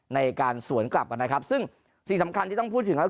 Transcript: ในการสวนกลับนะครับซึ่งสิ่งสำคัญที่ต้องพูดถึงครับ